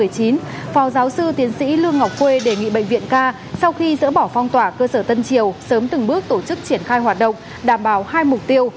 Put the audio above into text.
phó giáo sư tiến sĩ lương ngọc khuê đề nghị bệnh viện ca sau khi dỡ bỏ phong tỏa cơ sở tân triều sớm từng bước tổ chức triển khai hoạt động đảm bảo hai mục tiêu